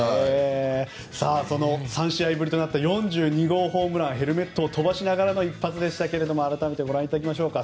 その３試合ぶりとなった４２号ホームランヘルメットを飛ばしながらの一発でしたが改めてご覧いただきましょうか。